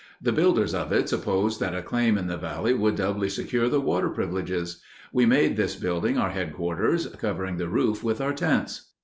The builders of it supposed that a claim in the valley would doubly secure the water privileges. We made this building our headquarters, covering the roof with our tents."